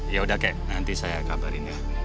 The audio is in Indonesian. yaudah kek nanti saya kabarin ya